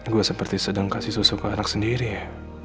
gue seperti sedang kasih susu ke anak sendiri ya